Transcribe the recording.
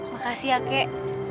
makasih ya kek